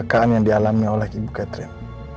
saya memilih klien